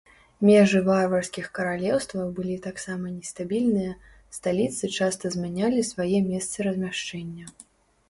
Межы варварскіх каралеўстваў былі таксама нестабільныя, сталіцы часта змянялі свае месцы размяшчэння.